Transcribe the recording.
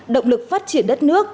động lực phát triển đất nước